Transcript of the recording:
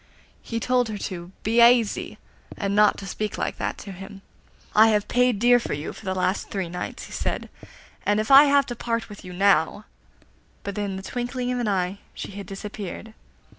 He told her to 'be aisy,' and not speak like that to him. 'I have paid dear for you for the last three nights,' he said, 'if I have to part with you now;' but in the twinkling of an eye she had disappeared.